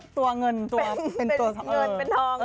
ตัวเงินเป็นทอง